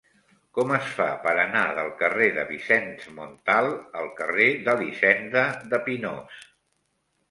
Com es fa per anar del carrer de Vicenç Montal al carrer d'Elisenda de Pinós?